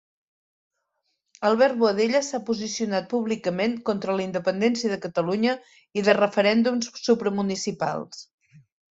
Albert Boadella s'ha posicionat públicament contra la independència de Catalunya i de referèndums supramunicipals.